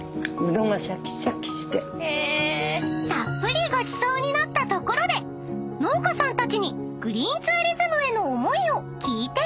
［たっぷりごちそうになったところで農家さんたちにグリーンツーリズムへの思いを聞いてみると］